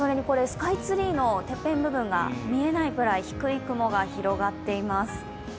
スカイツリーのてっぺん部分が見えないくらい低い雲が広がっています。